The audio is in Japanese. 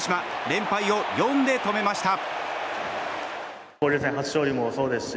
連敗を４で止めました。